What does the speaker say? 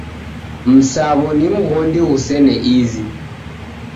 Msaw'o ni mghondi ghusene izi.